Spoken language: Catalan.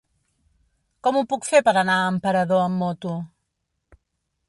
Com ho puc fer per anar a Emperador amb moto?